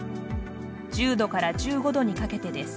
１０度から１５度にかけてです。